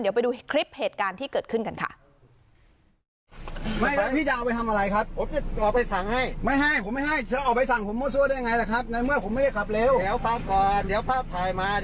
เดี๋ยวไปดูคลิปเหตุการณ์ที่เกิดขึ้นกันค่ะ